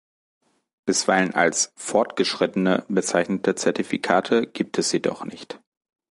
Bisweilen als "fortgeschrittene" bezeichnete Zertifikate gibt es jedoch nicht.